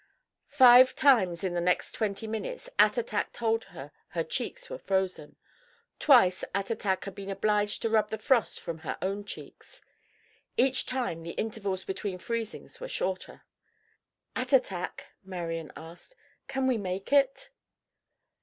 Five times in the next twenty minutes Attatak told her her cheeks were frozen. Twice Attatak had been obliged to rub the frost from her own cheeks. Each time the intervals between freezings were shorter. "Attatak," Marian asked, "can we make it?"